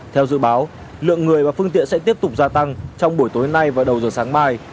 theo dự báo lượng người và phương tiện sẽ tiếp tục gia tăng trong buổi tối nay và đầu giờ sáng mai